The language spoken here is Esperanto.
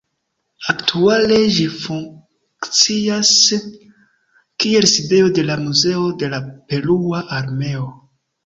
Aktuale ĝi funkcias kiel sidejo de la Muzeo de la Perua Armeo.